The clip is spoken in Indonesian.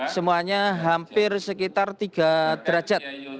semuanya hampir sekitar tiga derajat